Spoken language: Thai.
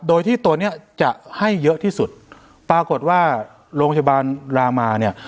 โดยที่ตัวเนี้ยจะให้เยอะที่สุดปรากฏว่าโรงพยาบาลรามาเนี่ย